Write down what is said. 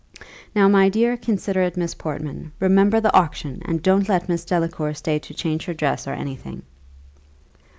"Now, my dear, considerate Miss Portman, remember the auction, and don't let Miss Delacour stay to change her dress or any thing."